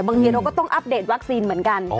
บางทีเราก็ต้องอัปเดตวัคซีนเหมือนกัน